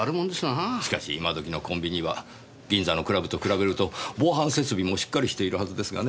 しかし今どきのコンビニは銀座のクラブと比べると防犯設備もしっかりしているはずですがねえ。